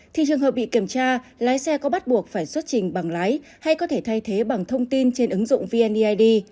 thì trường hợp bị kiểm tra lái xe có bắt buộc phải xuất trình bằng lái hay có thể thay thế bằng thông tin trên ứng dụng vneid